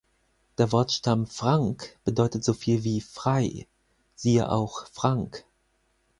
Der Wortstamm „frank“ bedeutet so viel wie „frei“, siehe auch Frank.